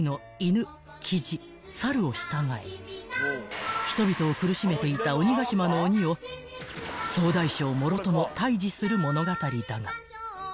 キジ猿を従え人々を苦しめていた鬼ヶ島の鬼を総大将もろとも退治する物語だが］